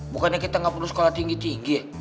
bukannya kita nggak perlu sekolah tinggi tinggi